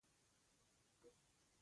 دوستي د سختو وختونو ملاتړی وي.